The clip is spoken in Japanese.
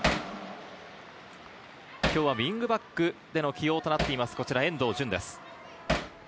今日はウイングバックでの起用となった遠藤純です。